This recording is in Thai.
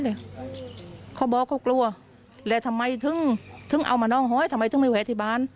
เป็นลูกผีรุ่นนองกัน